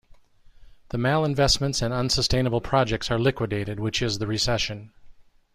The malinvestments and unsustainable projects are liquidated, which is the recession.